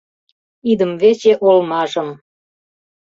Идымвече олмажым